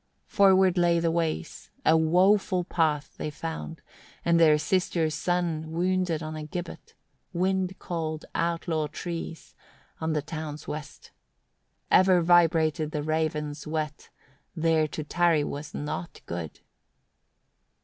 18. Forward lay the ways, a woeful path they found, and their sister's son wounded on a gibbet, wind cold outlaw trees, on the town's west. Ever vibrated the ravens' whet: there to tarry was not good.